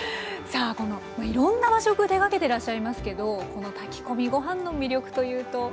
さあいろんな和食手がけてらっしゃいますけどこの炊き込みご飯の魅力というと。